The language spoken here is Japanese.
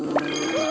うわ！